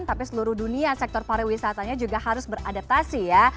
tapi seluruh dunia sektor pariwisatanya juga harus beradaptasi ya